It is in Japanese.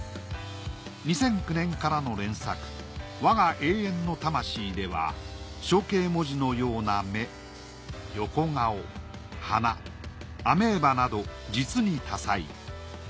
２００９年からの連作『わが永遠の魂』では象形文字のような目横顔花アメーバなど実に多彩。